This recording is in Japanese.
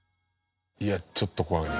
いやちょっと怖いね。